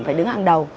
phải đứng hàng đầu